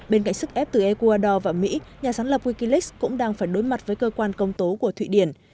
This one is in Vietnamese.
bên cạnh sức ép từ ecuador và mỹ nhà sáng lập wikileaks cũng đang phải đối mặt với cơ quan công tố của thụy điển